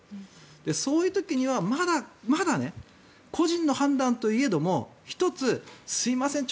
そういう時に個人の判断といえども１つ、すみません